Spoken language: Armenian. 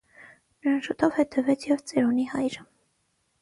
Նրան շուտով հետևեց և ծերունի հայրը: